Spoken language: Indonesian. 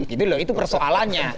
gini loh itu persoalannya